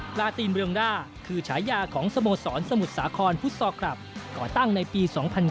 ลาตีนเรืองด้าคือฉายาของสโมสรสมุทรสาครฟุตซอลคลับก่อตั้งในปี๒๐๒๐